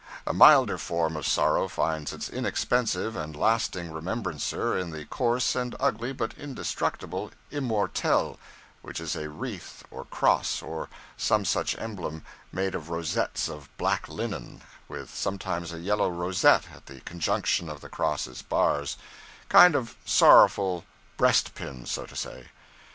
A milder form of sorrow finds its inexpensive and lasting remembrancer in the coarse and ugly but indestructible 'immortelle' which is a wreath or cross or some such emblem, made of rosettes of black linen, with sometimes a yellow rosette at the conjunction of the cross's bars kind of sorrowful breast pin, so to say.